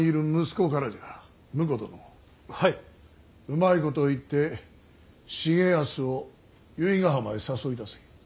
うまいことを言って重保を由比ヶ浜へ誘い出せ。